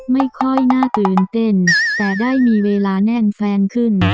ไม่ค่อยน่าตื่นเต้นแต่ได้มีเวลาแน่นแฟนขึ้น